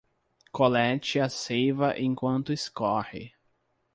Colete a seiva enquanto escorre